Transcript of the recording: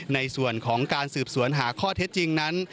ในส่วนของการสืบสวนหาข้อเท็จจริงนั้น